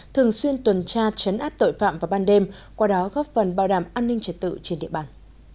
thường xuyên tuần tra chấn áp tội phạm vào ban đêm qua đó góp phần bảo đảm an ninh trật tự trên địa bàn